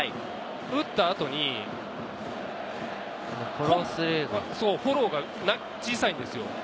打った後にフォローが小さいんですよ。